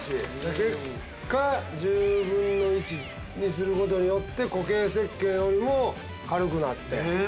結果１０分の１にすることによって固形石けんよりも軽くなって。